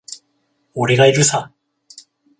俺がいるさ。